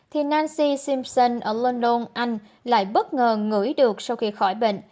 thì nancy simpson ở london anh lại bất ngờ ngửi được sau khi khỏi bệnh